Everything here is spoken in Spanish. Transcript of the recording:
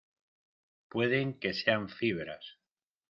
pueden que sean fibras.